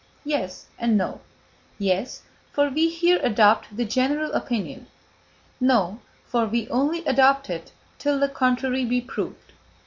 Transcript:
Yes, and no. Yes, for we here adopt the general opinion. No, for we only adopt it till the contrary be proved.